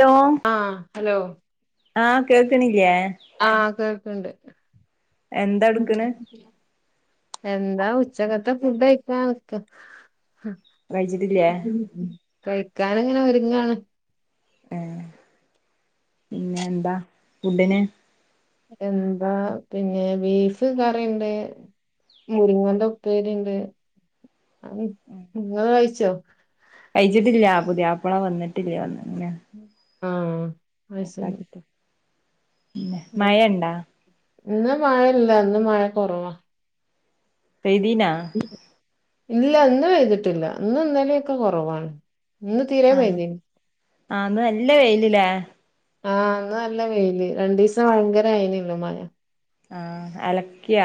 Hello ആഹ് hello ആഹ് കേക്കണില്ലേ ആഹ് കേക്കണ്ട് എന്താ എടുക്കണ് എന്താ ഉച്ചക്കത്തെ ഫുഡ് കഴിക്കാൻ നിക്ക കഴിച്ചിട്ടില്ലേ കഴിക്കാൻ അങ്ങനെ ഒരുങ്ങാണ് ഏഹ് പിന്നെ എന്താ ഫുഡിന് എന്താ പിന്നെ ബീഫ് കറിയിണ്ട് മുരിങ്ങന്റെ ഉപ്പേരിണ്ട് അത് നിങ്ങള് കഴിച്ചോ കഴിച്ചിട്ടില്ല പുതിയാപ്ലള വന്നിട്ടില്ല അങ്ങനെ ആഹ് കഴിച്ച്ണ് [inaudible] ഇന്ന് മഴയില്ല ഇന്ന് മഴ കുറവാ പെയ്തീന ഇല്ല ഇന്ന് പെയ്തിട്ടില്ല ഇന്ന് ഇന്നലെ ഒക്കെ കുറവാണ് ഇന്ന് തീരെ ആഹ് പെയ്തീനി ആഹ് ഇന്ന് നല്ല വെയിലില്ലേ ആഹ് ഇന്ന് നല്ല വെയില് രണ്ടു ദിവസം ഭയങ്കര ആയിനല്ലോ മഴ ആഹ് അലക്കിയ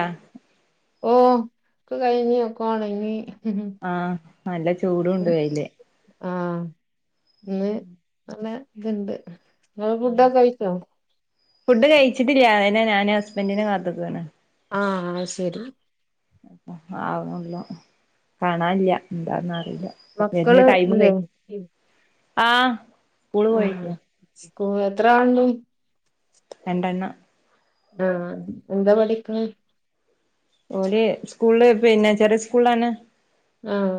ഓഹ് ഒക്ക കഴിഞ്ഞ് ഒക്ക ഉണങ്ങി ആഹ് നല്ല ചൂടുണ്ട് വെയില് ആഹ് ഇന്ന് നല്ല ഇത്ണ്ട് നിങ്ങ ഫുഡൊെക്കെ കഴിച്ചോ ഫുഡ് കഴിച്ചിട്ടില്ല അതിന് ഞാന് ഹസ്ബൻഡറിനെ കാത്തുനിക്കയാണ് ആഹ് അത് ശെരി ആവുന്നുള്ളൂ കാണില്ല എന്താന്ന് അറിയില്ല വരുന്ന മക്കള് ടൈമും ഇല്ലേ കഴി ആഹ് സ്കൂള് ആഹ് പോയിക്കണു [unintelligible] എത്ര ആളുണ്ട് രണ്ടെണ്ണം ആഹ് എന്താ പഠിക്കണ് ഓല് സ്കൂള്ൽ പിന്നെ ചെറിയ സ്കൂള്ലാണ് ആഹ്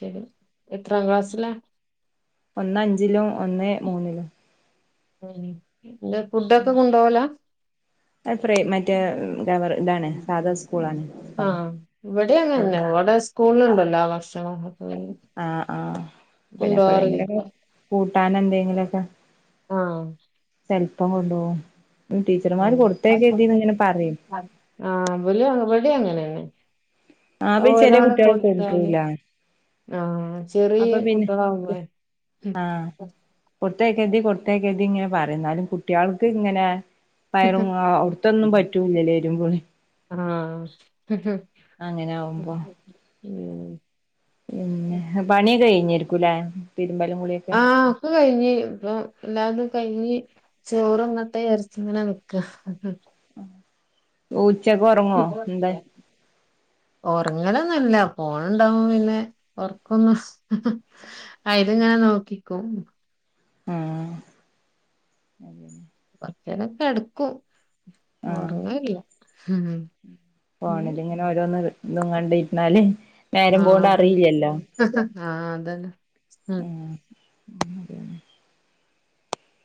ശെരി എത്രാം ക്ലാസ്സിലാ ഒന്ന് അഞ്ചിലും ഒന്ന് മൂന്നിലും ഉം എന്താ ഫുഡൊക്കെ കൊണ്ടോവലാ അത് പ്രൈ മറ്റേ ഗവർ ഇതാണ് സാധാ സ്കൂളാണ് ആഹ് ഇവടിം അങ്ങനെന്നേ അവടെ സ്കൂള്ല്ണ്ടല്ലോ ഭക്ഷണം ഒക്കെ. ആഹ് ആഹ്. പിന്നെ എപ്പളേങ്കിലൊക്കെ കൂട്ടാന് എന്തേങ്കിലൊക്കെ. ആഹ് ചെല്പം കൊണ്ടോവും. ടീച്ചർമാര് കൊട്ത്തയക്കര്തീന്ന്ങ്ങനെ പറയും. ആഹ് ആഹ് ഇബല് ഇവടിം അങ്ങനെന്നെ. ആഹ് അത് പിന്നെ ചെല ഒരാള് കുട്ടികള് കൊട്ത്താല് കൊണ്ടരൂല ആഹ് ചെറിയ അപ്പൊ പിന്നെ കുട്ട്യാളാവുമ്പളെ. ഉം കൊട്ത്തയക്കര്തി കൊട്ത്തയക്കര്തി ഇങ്ങനെ പറയും. ഇന്നാലും കുട്ട്യാൾക്ക് ഇങ്ങനേ പയറും ആ അവ്ട്ത്തൊന്നും പറ്റൂല്യല്ലോ എരും പുളിം. ആഹ് അങ്ങനെ ആവുമ്പോ ഉം. പിന്നെ പണിയൊക്കെ കയ്ഞ്ഞേര്ക്കുലേ? തിര്മ്പലും കുളീം ആഹ് ഒക്കെ കയിഞ്ഞി ഇപ്പൊ എല്ലാതും കയിഞ്ഞ്. ചോറ്ന്നട്ടേ വിചാരിച്ച് ഇങ്ങനെ നിക്കാ. ഊച്ചക്ക് ഒറ് [unintelligible] ഒറങ്ങലൊന്നുല്ല ഫോണ് ഇണ്ടാവുമ്പം പിന്നേ ഒറ്ക്കൊന്നും അയില്ങ്ങനെ നോക്കിക്കും. ഉം അതന്നെ. കൊറച്ചേരം കെട്ക്കും ആഹ് ഒറങ്ങലില്ല. പിന്നെ ഫോണില്ങ്ങനെ ഓരോന്ന് ഇതും കണ്ടിര്ന്നാല് നേരം പോണത് ആഹ് അറീല്ലല്ലോ. ആഹ് അതന്നെ. ഉം ഉം അതെന്നെ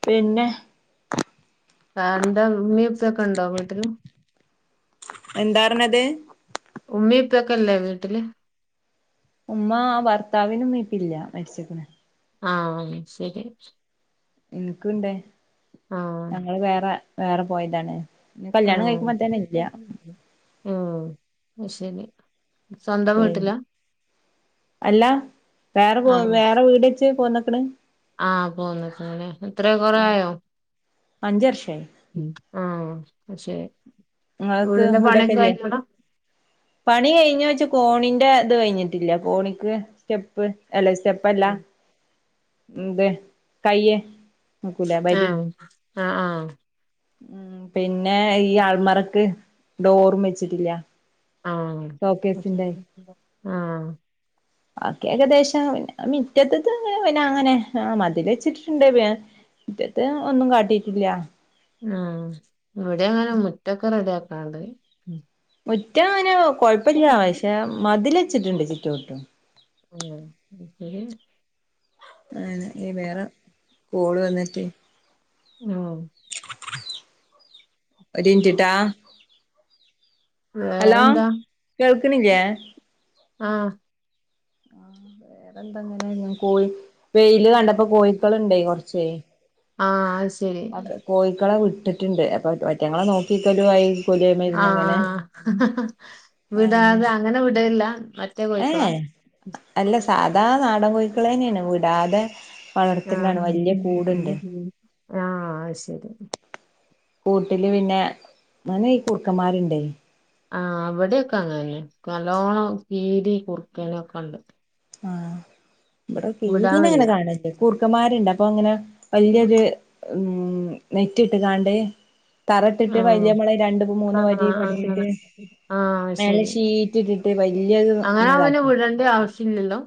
പിന്നെഹ് താണ്ടേ ഉമ്മീം ഉപ്പ്യൊക്കണ്ടോ വീട്ടില്? എന്താ പറ്ഞ്ഞത്? ഉമ്മീം ഉപ്പക്കൊല്ലേ വീട്ടില്? ഉമ്മാ ഭർത്താവിന് ഇമ്മീം ഇപ്പില്ലാ മരിച്ച്ക്ക്ണ്. ആഹ് ശരി. ഇൻക്ക്ണ്ട്. ആഹ് ഞങ്ങള് വേറേ വേറെ പോയതാണ്. കല്യാണം ആഹ് കഴിക്കുമ്പോ തന്നെ ഇല്ല ആഹ് അത്ശരി. പിൻ, അല്ലാ വേറെ പോ ആഹ് വേറെ വീട് വെച്ച് പോന്ന്ക്ക്ണ്? ആഹ് പോന്ന്ക്ക്ണ് ലേ. എത്രേ കൊറേ ആഹ് ആയോ? അഞ്ച് വർഷായി ഉം ആഹ് അയ്ശരി. ഇങ്ങൾക്ക് വീടിന്റെ പണി ഒക്കെ വീടൊക്കെല്ലേ ആയ്‌ക്ണോ? പണി കയിഞ്ഞോ ചോയ്ച്ചാ കോണിന്റെ ഇത് കയ്ഞ്ഞിട്ടില്ല കോണിക്ക് സ്റ്റെപ്പ് അല്ല സ്റ്റെപ്പല്ല. ഇത് കയ്യ് വെക്കൂലേ വരി. ആഹ് ആഹ് ആഹ് ഉം പിന്നെ ഈ ആൾമറക്ക് ഡോറും വെച്ചിട്ടില്ല. ആഹ് അയ്ശരി ഷോക്കേസിന്റെ ആഹ്. വാക്കി ഏകദേശം പിന്നെ മിറ്റത്ത്ത്തേ പിന്നെ അങ്ങനെ ആഹ് മതിലെച്ചിട്ടിട്ട്ണ്ട്. പിന്നെ, മിറ്റത്തെ ഒന്നും കാട്ടിയിട്ടില്ല്യാ. ആഹ് ഇവടിം അങ്ങനെ മുറ്റൊക്കെ റെഡിയാക്കാണ്ട്. മുറ്റം അയിന് കൊഴപ്പല്ല്യാ പക്ഷേ മതിലെച്ചിട്ട്ണ്ട് ചുറ്റ് വട്ടും. ഉം [unintelligible] അയന്നെ ഈ വേറെ കോള് വന്ന്ട്ടേ. ഉം. ഒര് ൻറ്റ്ട്ടാ. ഹലോ വേറെന്താ കേൾക്ക്ണില്ലെ? ആഹ് വേറെന്താ ങ്ങനെനെ കോ വെയില് കണ്ടപ്പോ കോയ്ക്കള്ണ്ടെ കൊറ്ച്ചെ ആഹ് അയ് ശെരി. കോയിക്കളെ വിട്ട്ട്ട്ണ്ട് അപ്പോ ഒറ്റങ്ങളെ നോക്കിക്കലു ആയി. കൊലിയമായിരുന്നു ആഹ് ഇങ്ങനെ ആഹ് ആഹ് ആഹ് വിടാതെ അങ്ങനെ വ്ടേല്ല മറ്റേ കോയിക്കളാ? ഏഹ് അല്ല സാധാ നാടൻ കോയിക്കളെന്നെണ് വ്ടാതെ വളർത്ത്ണാണ് ആഹ് വെല്യ കൂട്ണ്ട്. ആഹ് അയ് ശെരി. കൂട്ടില് പിന്നെ [unintelligible] ഈ കുറ്ക്കമ്മാര്ണ്ടെയ്. ആഹ് വടെക്കെ അങ്ങനെന്നെ നല്ലോണം കീരി കുറ്ക്കന് ഒക്കെണ്ട്. ആഹ് ഇവടെ വിടാൻ കീരിനങ്ങനെ വയ്യ കാണേല്ല. കുർക്കമ്മര്ണ്ട് അപ്പ ങ്ങനെ വല്യത് ഉം നെറ്റിട്ട് കാണ്ട് തറട്ട്ട്ട് ആഹ് വെല്യമ്മളെ രണ്ട് മൂന്ന് ആഹ് വരി അങ്ങനെ പട്ത്ത്ട്ട് ആഹ് അത് മേലെ ശരി ഷീറ്റ് ട്ട്ട്ട് വല്യത് ഒന്ന് താക്ക്യാ. ന്റെ ആവശ്യല്ലല്ലോ.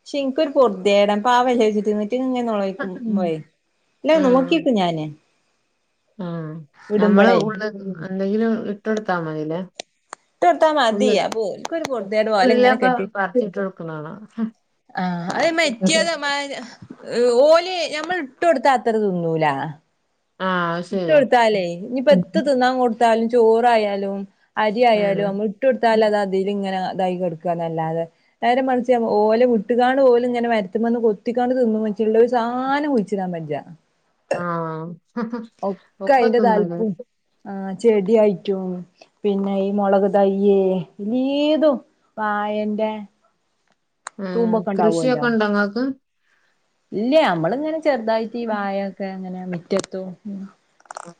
പക്ഷെ ഇൻക്കൊര് പൊർത്യേടാ പാവല്ലേച്ച്ട്ട് [unintelligible] റ്റങ്ങനെ നോളേയ്ക്കുംമ്പളേയ് ഇല്ല ആഹ് നോക്കിക്കും ഞാന്. ആഹ് ഞമ്മള് വിടുമ്പളേ ഇട്ട് [unintelligible] എന്തെങ്കിലും ഇട്ടൊട്ത്താ മതില്ലേ. ഇട്ടൊട്ത്താ മതി. ഉള്ള് അപ്പോൽക്കൊര് പൊർത്യേട് വ ഓലെങ്ങനെ പുല്ലൊക്കെ കെട്ടി പറിച്ചിട്ട് കൊടുക്കണ കാണാ ആഹ് അത് മറ്റ്യേത് മ [unintelligible] ഏഹ് ഓല് ഞമ്മള് ട്ടൊട്ത്ത അത്ര തിന്നൂല. ആഹ് അത് ശരിയാ ഇട്ടൊട്ത്താലേ ഇഞ് പ്പെത്ത് തിന്നാ കൊട്ത്താലും ചോറായാലും ഉം അര്യായാലും അമ്മള്ട്ടൊട്ത്താലത് അതില് ങ്ങനെ തായി കൊട്ക്കാന്നല്ലാതെ നേരെ മറിച്ച ഓലെ വിട്ട്കാണ്ട് ഓല് ങ്ങനെ മരത്ത്മന്ന് കൊത്തിക്കണ്ട് തിന്നും [unintelligible] ള്ളെ ഒരു സാനും ച്ച്ടാൻ ബെജ്ജ ആഹ് ഒക്കെ തിന്നുല്ലെ. ആഹ് ചെട്യായിട്ടും. പിന്നെ ഈ മൊളക് തയ്യ് എല്ലേതും വായന്റെ ഉം തൂമ്പൊക്കെ കൃഷിയൊക്കെ ണ്ടോ ങ്ങക്ക്? ഇല്ല്യ അമ്മള് ങ്ങനെ ചെറ്തായിട്ട് ഈ വായ ക്കങ്ങനെ മിറ്റത്തും. ഉം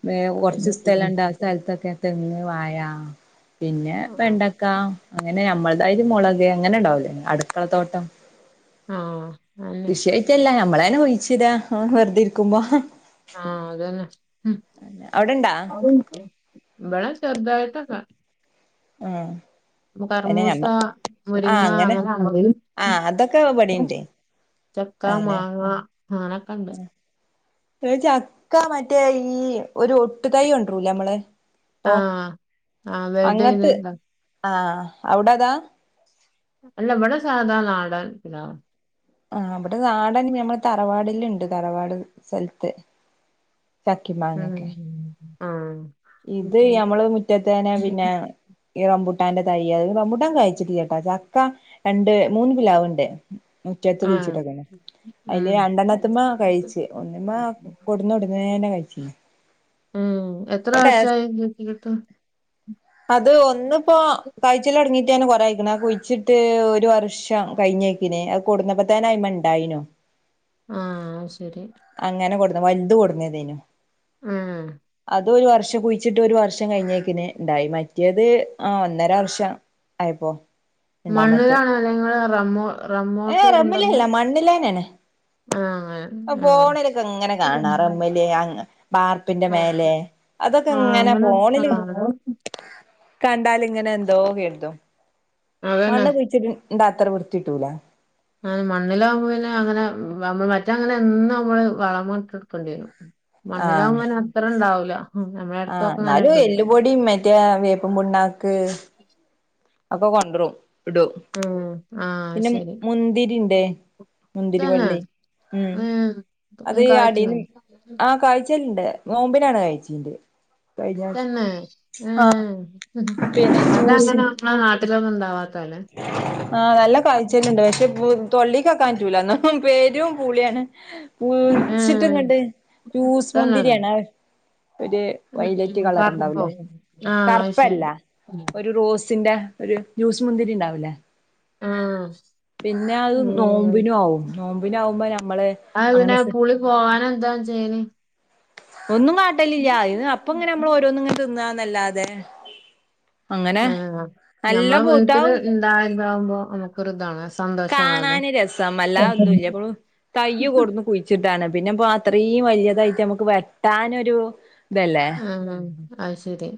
വേ കൊർച്ച് സ്ഥലണ്ട് ആ സ്ഥൽത്തൊക്കെ തെങ്ങ്, വായാ പിന്നെ വെണ്ടക്ക അങ്ങനെ ഞമ്മൾതായിട്ട് മൊളക് അങ്ങനെണ്ടാവൂലേ അട്ക്കളത്തോട്ടം ആഹ് ആന്നെ. റ്റെല്ല ഞമ്മളെന്നെ കുയ്ച്ച്ടാ ആഹ് വെറ്തിര്ക്കുമ്പോ ആഹ് അതെന്നെ. ഉം ആന്നെ. അവടെണ്ടാ? അവടെണ്ടോ? ഇബടെ ചെറ്തായിട്ടൊക്കെ. ആഹ് പിന്നെ അയിന് കർമൂസ, ഞമ്മ ആഹ് മുരിങ്ങ, അങ്ങനെ അങ്ങനാ ആഹ് [unintelligible] ഉം അതൊക്കെ [unintelligible] ഇവിടെണ്ട് ചക്കാ, മാങ്ങാ അങ്ങനെ ഉം ഈ ചക്ക മറ്റേ ഈ ഒരു ഒട്ട് തൈയ്യൊണ്ട്രൂലമ്മളെ. ആഹ് ആഹ് അങ്ങത്ത് വെൽഡെയ്യ്ന്നെത്. ആഹ് അവ്ടതാ? അല്ലവ്ടെ സാധാ നാടൻ ഇതാ ആഹ് അവിടെ നാടൻ ഞമ്മള തറവാടിലുണ്ട് തറവാട് സ്ഥലത്തെ ചക്കി മാങ്ങക്കെ ഉം ആഹ് ഇത് ഞമ്മള് മുറ്റത്തേനെ പിന്നെ ഈ റംബുടാന്റെ തൈ റംബുട്ടാൻ കായിച്ചിട്ടില്ലട്ടാ ചക്ക രണ്ട് മൂന്ന് പിലാവുണ്ട് മുറ്റത്ത് ആഹ് കുഴിച്ചിട്ടക്കാണ് അതില് രണ്ടെണ്ണത്തുമ്മെ കഴിച്ച് ഒന്നമ്മെ ഉം കൊടുന്ന ഉടനേന്നെ കയ്ച്ച് എത്രവർഷായി കിട്ടീട്ട് അത് ഒന്നിപ്പോ കായ്ച്ചല് അടങ്ങീട്ട് തന്നെ കുറെആയിക്കണ് കുഴിച്ചിട്ട് ഒരു വർഷം കഴിഞ്ഞെ പിന്നെ അത് കൊടന്നപ്പോ തന്നെ അയ്മെണ്ടായിനു ആഹ് അത് ശരി അങ്ങനെ കൊടന്ന വലുത് കൊടുന്നതേയ്നു ആഹ് അത് ഒരു വർഷം കുയിച്ചിട്ട് ഒരു വർഷം കഴിഞ്ഞെയ്ക്കിന് ഇണ്ടായി മറ്റിയത് ആ ഒന്നര വർഷം അയപ്പോ മണ്ണിലാണ് അല്ലെങ്ങള് റമ്മോ ഏ റമ്മോട്ക്കെ കൊണ്ടന്ന് റമ്മിലല്ല മണ്ണിലേനാണ് ആഹ് അങ്ങനെ ഫോണിലൊക്കെ ഇങ്ങനെ കാണാ റമ്മില് അങ്ങ് ബാർപ്പിന്റെ ആ മേലെ അതൊക്കെ ആ ഇങ്ങനെ അങ്ങനെ ആ ഫോണില് കണ്ടാലിങ്ങനെ എന്തോ കെര്തും അതന്നെ മണ്ണ് കുഴിച്ചിട്ട് ഇണ്ട അത്ര വൃത്തിയിട്ടൂല ആന്ന് മണ്ണിലാകുമ്പോ പിന്നെ അങ്ങനെ നമ്മൾ മറ്റങ്ങനെ എന്നും നമ്മള് വളമട്ടൊടുക്കേണ്ടി വരും മണ്ണിലാവുമ്പ ആഹ് പിന്നെ അത്ര ഉണ്ടാവൂല ഉം, നമ്മളെ ആഹ് ഇടക്കൊക്കെ അങ്ങനെ എന്നാലും ഇട്ടെടുത്താ മതി എല്ലുപൊടി മറ്റേ വേപ്പും പുണ്ണാക്ക് [unintelligible] അപ്പൊ കൊണ്ടറും ഇടും ഉം ആ പിന്നെ ശരി മുന്തിരിണ്ട് മുന്തിരി തന്നെ വള്ളി ഉം അത് ഉം കായ്ച്ചു അടിന്ന് ആഹ് കാഴ്ചൽഇണ്ട് നോമ്പിനാണ് കായിച്ചിന്റത് തന്നെ ഏഹ് പിന്നെ അതങ്ങനെ നമ്മളെ നാട്ടിലൊന്നും ഇണ്ടാവാത്താല്ലേ [unintelligible] ആഹ് നല്ല കാഴ്ചൽ ഉണ്ട് പക്ഷെ പു തൊള്ളിക്ക് വെക്കാൻ പറ്റൂല എന്നും പേരും പൂളിയാണ് പൂളിച്ചിട്ട് ആഹ് ഇങ്ങണ്ട് ജൂസ് തന്നാണ് മുന്തിരിയാണ് ഒരു വൈലറ്റ് ഉം കളർ പറമ്പോ ഉണ്ടാവുംല്ലേ ആഹ് അത് കറുപ്പല്ല ശരി ഒരു റോസ് സിന്റെ ഒരു ജ്യൂസ് മുന്തിരി ഉണ്ടാവൂലേ ആഹ് പിന്നെ അത് ഉം നോമ്പിനും ആവും നോമ്പിന ആകുമ്പോ നമ്മള് അങ്ങനെ ശ്ര പോകാനെന്താ ചെയ്യല് ഒന്നും കാട്ടാലില്ല്യാ അതിന് അപ്പ ഇങ്ങനെ നമ്മള് ഓരോന്നും ഇങ്ങനെ തിന്നാന്നല്ലാതെ അങ്ങനെ [unintelligible] നല്ല ഞമ്മള് വീട്ടില് പൂത്താവും ഇണ്ടായതാവുമ്പോ നമുക്ക് ഒരു ഇതാണ് സം കാണാന് രസം അല്ലാതെ ഒന്നും ഇല്ല ഇപ്പൊ തയ്യുകൊടുന്നു കുഴി ച്ചിട്ടാണ് പിന്നെപ്പോ അത്രയും വലിയതായിട്ട് നമുക്ക് വെട്ടാനൊരു ഇതല്ലേ ആഹ് ആഹ് അത് ശരി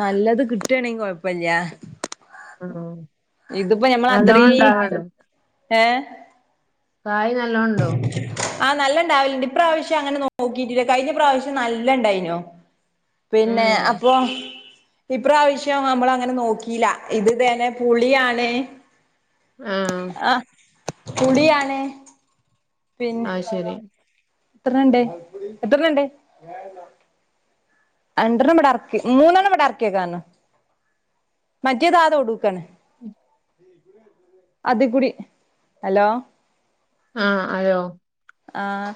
നല്ലത് കിട്ടണെങ്കിൽ കൊഴപ്പില്ല ആണോ ഇതിപ്പോ ഞമ്മള് അത്രയും ഏഹ് കായ് നല്ലോണ്ടോ ആഹ് നല്ല ഇണ്ടാവില്ലണ്ട് ഇപ്രാവശ്യം അങ്ങനെ നോക്കിട്ടില്ല കഴിഞ്ഞ പ്രാവശ്യം നല്ല ഇണ്ടായിനോ പിന്നെ ഉം അപ്പൊ- ഇപ്രാവശ്യം നമ്മള് അങ്ങനെ നോക്കിയില്ല ഇത് ത [unintelligible] നെ പുളിയാണേ ആഹ് പുളിയാണേ പിന്നെ അത് ശരി എത്ര എണ്ണം ഒണ്ട് എത്രണ്ണം ഒണ്ട് രണ്ടെണ്ണം ഇവിടെ എറക്കി മൂന്നണ്ണം ഇവിടെ ഇറക്കിയെക്ക്ന്ന് മറ്റേതാത ഒ [unintelligible] ടുക്കാണ് അതെ കൂടി ഹലോ ആഹ് ഹലോ ആഹ്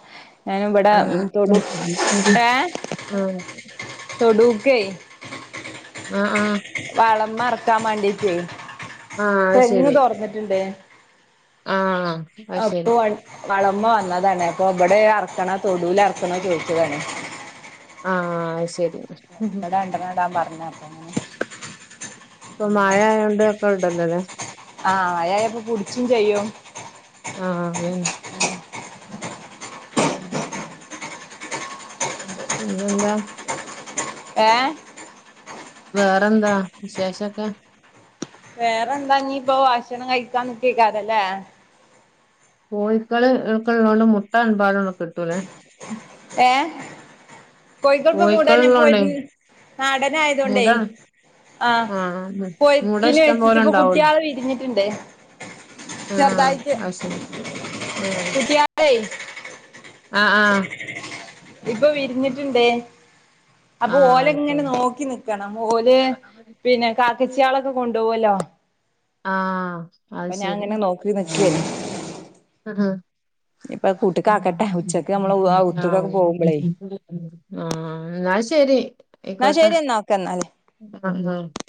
ഞാനും ഇവിടെ തൊടി അങ്ങനെ ഏഹ് ഉം തൊടുക്കെ ആഹ് ആഹ് വളം എറക്കാം മാണ്ടീട്ടേ ആ അത് തെങ്ങ് തൊറന്ന്ട്ടുണ്ടേ ആഹ് അപ്പൊ വൺ വളമ്മൊ വന്നതാണ് അപ്പൊ ഇവിടെ എറക്കണൊ തൊടൂല് എറക്കണോ ചോദിച്ചതാണ്. ആഹ് ശരി എടാ രണ്ടെണ [unintelligible] ടാം പറഞ്ഞ അപ്പൊ അങ്ങനെ ഇപ്പൊ മഴ ആയോണ്ട് ഇപ്പൊ ഇടണ്ടല്ലോ ആഹ് മഴ ആയ ഇപ്പോ പുടുച്ചും ചെയ്യും ആഹ് അ [unintelligible] തൻ പിന്നെ എന്താ ഏഹ് വെറെന്താ വിശേഷൊക്കെ വേറെന്താ ഇനിപ്പോ ഭക്ഷണം കയ്ക്കാൻ മുട്ടി നിക്കാര അല്ലേ. കോയ്ക്കള് ഇള്ളോണ്ട് മുട്ട അൻപാ [unintelligible] കിട്ടൂലെ. ഏഹ് കോയ്ക്കള്പ്പ കൂടന്നെ പൊര് കോഴിക്കളുള്ളോണ്ടേ [unintelligible] ഞ്ഞ് നാടൻ ആയത് കൊണ്ടേ മുത ആഹ് ആ മു- മുട പൊരിച്ചിന് ഇഷ്ടം വെച്ചിട്ട് പോലെ ഇപ്പ ഉണ്ടാവല്ലോ കുട്ടിയാള് വിരിഞ്ഞിട്ടുണ്ട് ആ ചെറുതായിട്ട് അത് ശരി ഏ വിരിയാത്തെ ആഹ് ആഹ് ഇപ്പൊ വിരിഞ്ഞിട്ടുണ്ട് ആ അപ്പൊ ഓല് ഇങ്ങനെ ആയിക്കോട്ടെ നോക്കി നിക്കാണ് ഓല് പിന്നെ കാക്കച്ചിയളെക്കെ കൊണ്ടോവല്ലോ ആഹ് അത് ശരി ഒരു പക്ഷെ ആഹ് ഇനിയിപ്പ കൂട്ട്ക്കാക്കട്ടെ ഉച്ചക്ക് നമ്മള് ഔത്ത്ക്കൊക്കെ ആഹ് പോകുമ്പളേ ആഹ് എന്നാ ശരി എന്നാ ആയിക്കോട്ടെ ശരി എന്നാ ഓക്കെ എന്നാല് [unintelligible]